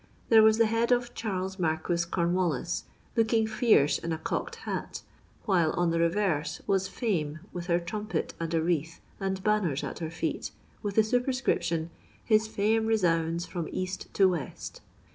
There was the head of *' Charles Marquis Comwallis" looking fierce in a cocked bat, while on the reverse was Fame with her trumpet and a wreath, and banners at her feet, with the superscription :" His fiune resounds from east to west."